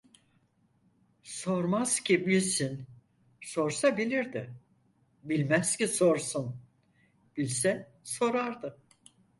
Sormaz ki bilsin, sorsa bilirdi; bilmez ki sorsun, bilse sorardı.